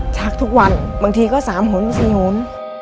ชักทุกวันบางทีก็๓หน๔หน